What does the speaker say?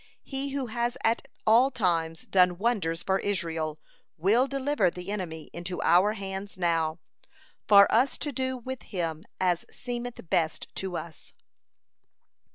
He who has at all times done wonders for Israel, will deliver the enemy into our hands now, for us to do with him as seemeth best to us."